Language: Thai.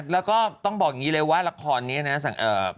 แล้วก็ต้องบอกอย่างนี้เลยว่าละครนี้นะ